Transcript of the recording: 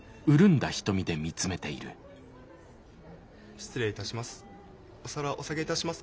失礼いたします。